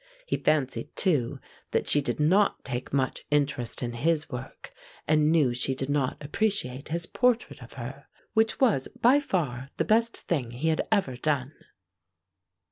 He fancied, too, that she did not take much interest in his work, and knew she did not appreciate his portrait of her, which was by far the best thing he had ever done.